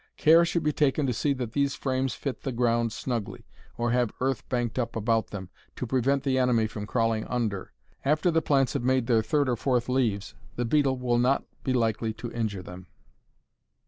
Care should be taken to see that these frames fit the ground snugly, or have earth banked up about them, to prevent the enemy from crawling under. After the plants have made their third or fourth leaves the beetle will not be likely to injure them.